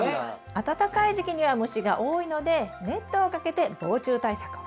暖かい時期には虫が多いのでネットをかけて防虫対策を。